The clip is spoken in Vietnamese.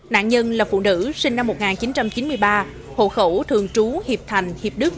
nạn nhân là phụ nữ sinh năm một nghìn chín trăm chín mươi ba hộ khẩu thường trú hiệp thành hiệp đức